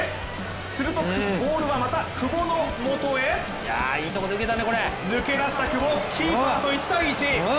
すると、ボールはまた久保のもとへ抜け出した久保キーパーと１対１。